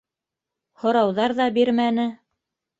Һорауҙар ҙа бирмәне.